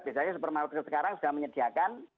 biasanya supermarket sekarang sudah menyediakan